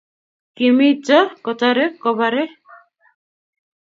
Kimito kotare kobare